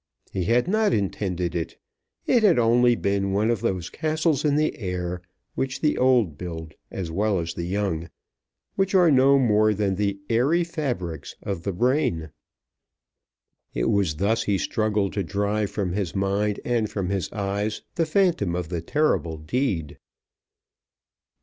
He had not intended it. It had only been one of those castles in the air which the old build as well as the young, which are no more than the "airy fabrics" of the brain! It was thus he struggled to drive from his mind and from his eyes the phantom of the terrible deed.